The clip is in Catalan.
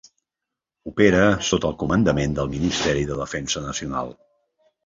Opera sota el comandament del Ministeri de Defensa Nacional.